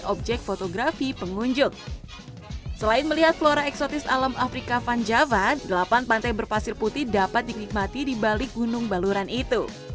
objek fotografi pengunjung selain melihat flora eksotis alam afrika van java delapan pantai berpasir putih dapat dinikmati di balik gunung baluran itu